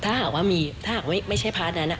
ถ้าหากว่ามีถ้าหากว่าไม่ใช่พาร์ทนั้น